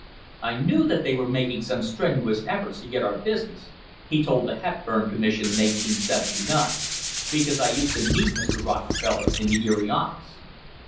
"I knew that they were making some strenuous efforts to get our busi ness," he told the Hepburn Commission in 1879, "because I used to meet Mr. Rockefeller in the Erie office."